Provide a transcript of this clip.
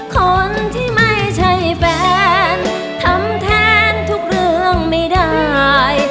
คนที่ไม่ใช่แฟนทำแทนทุกเรื่องไม่ได้